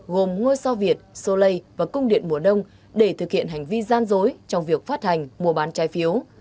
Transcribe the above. gồm ngôi sao việt solei và cung điện mùa đông để thực hiện hành vi gian dối trong việc phát hành mùa bán trái phiếu